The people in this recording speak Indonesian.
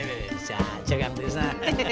ini bisa aja kan tisna